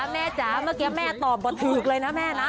แม่จะม่ะแม่ตอบบทึกเลยนะแม่น่ะ